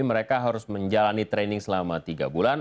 mereka harus menjalani training selama tiga bulan